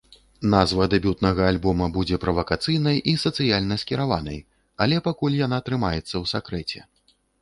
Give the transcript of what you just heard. Назва дэбютнага альбома будзе правакацыйнай і сацыяльна скіраванай, але пакуль яна трымаецца ў сакрэце.